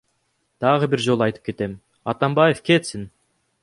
Дагы бир жолу айтып кетем, Атамбаев кетсин!